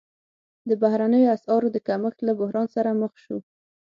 د بهرنیو اسعارو د کمښت له بحران سره مخ شو.